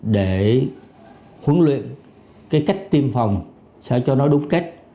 để huấn luyện cái cách tiêm phòng sẽ cho nó đúng cách